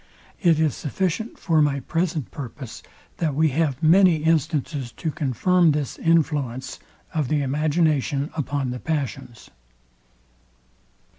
It is sufficient for my present purpose, that we have many instances to confirm this influence of the imagination upon the passions.